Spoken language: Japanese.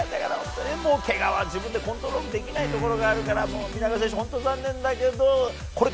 けがは自分でコントロールできないところがあるから本当に残念だけど、皆川選手